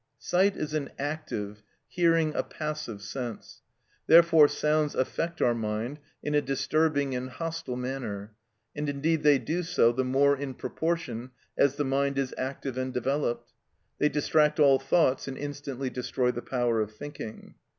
Sight is an active, hearing a passive sense. Therefore sounds affect our mind in a disturbing and hostile manner, and indeed they do so the more in proportion as the mind is active and developed; they distract all thoughts and instantly destroy the power of thinking.